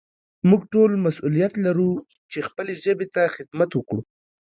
موږ ټول مسؤليت لرو چې خپلې ژبې ته خدمت وکړو.